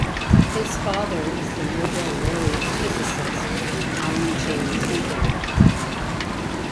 His father is the Nobel laureate physicist Alan J. Heeger.